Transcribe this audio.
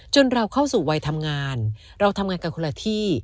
เราเข้าสู่วัยทำงานเราทำงานกันคนละที่